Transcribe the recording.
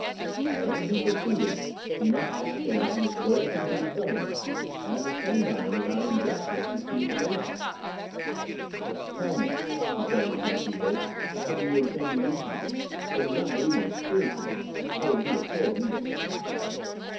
However he proceeded, he must act without disloyalty to his Government, and at the same time without injustice to Keane Clason. "Tell me," he said in a husky voice, "how do you intend to use me? I do not believe in Spiritualism. I would be a poor medium."